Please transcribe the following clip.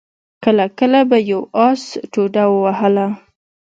کله کله به يوه آس ټوډه ووهله.